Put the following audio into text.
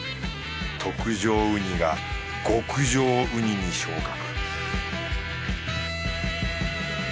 特上ウニが極上ウニに昇格